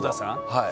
はい。